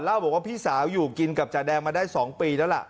เล่าบอกว่าพี่สาวอยู่กินกับจาแดงมาได้๒ปีแล้วล่ะ